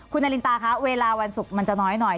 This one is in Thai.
คุณนารินตาคะเวลาวันศุกร์มันจะน้อยหน่อย